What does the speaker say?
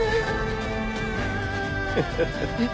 えっ？